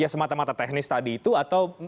semata mata teknis tadi itu atau